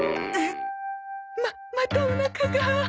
ままたおなかが。